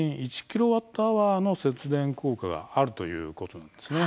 １キロワットアワーの節電効果があるということです。